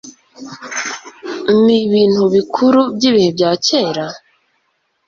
Nibintu Bikuru Byibihe Byakera?